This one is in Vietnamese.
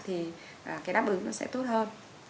thì cái đáp ứng nó sẽ tốt hơn